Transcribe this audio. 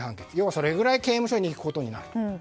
それぐらい刑務所に行くことになる。